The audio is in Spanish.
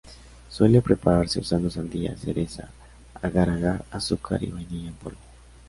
Suele prepararse usando sandía, cereza, "agar-agar", azúcar y vainilla en polvo.